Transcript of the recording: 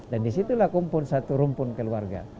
dan disitulah kumpul satu rumpun keluarga